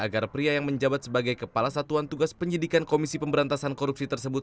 agar pria yang menjabat sebagai kepala satuan tugas penyidikan komisi pemberantasan korupsi tersebut